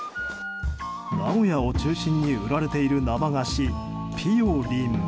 名古屋を中心に売られている生菓子ぴよりん。